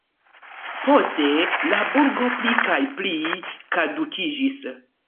Poste la burgo pli kaj pli kadukiĝis.